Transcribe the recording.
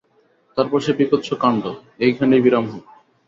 তারপর সে বীভৎস কাণ্ড এইখানেই বিরাম হোক।